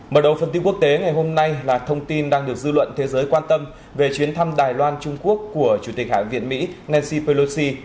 mở đầu phần tin quốc tế ngày hôm nay là thông tin đang được dư luận thế giới quan tâm về chuyến thăm đài loan trung quốc của chủ tịch hạ viện mỹ nancy pelosi